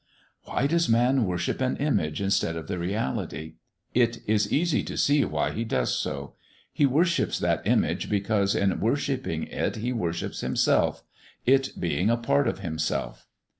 Why does man worship an image instead of the reality? It is easy to see why he does so. He worships that image, because in worshipping it he worships himself, it being a part of himself.